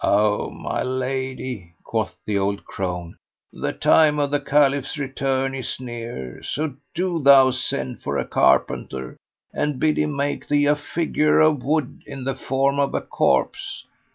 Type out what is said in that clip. "O my lady," quoth the old crone, "the time of the Caliph's return is near; so do thou send for a carpenter and bid him make thee a figure of wood in the form of a corpse.